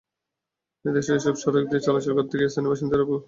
এতে এসব সড়ক দিয়ে চলাচল করতে গিয়ে স্থানীয় বাসিন্দারা দুর্ভোগ পোহাচ্ছেন।